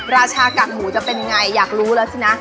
ราชากากหมูจะเป็นไงอยากรู้แล้วสินะ